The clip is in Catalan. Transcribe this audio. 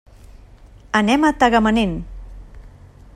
Anem a Tagamanent.